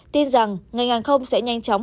tin rằng ngành hàng không sẽ nhanh chóng